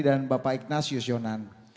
dan bapak ignasius jonan